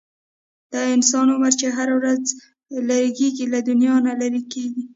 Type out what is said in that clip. د انسان عمر چې هره ورځ لږیږي، له دنیا نه لیري کیږي